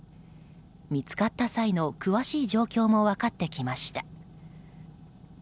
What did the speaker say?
見つかった際の詳しい状況も分かってきました。